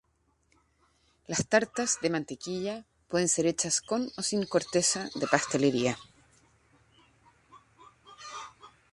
Las tartas de mantequilla pueden ser hechas con o sin corteza de pastelería.